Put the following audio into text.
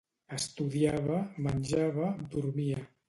Estudiava, menjava, dormia.